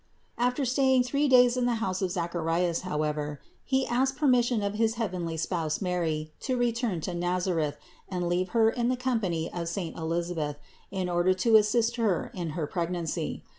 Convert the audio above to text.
After staying three days in the house of Zacharias, however, he asked per mission of his heavenly Spouse Mary to return to Naza reth and leave Her in the company of saint Elisabeth in order to assist her in her pregnancy.